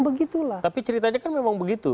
begitulah tapi ceritanya kan memang begitu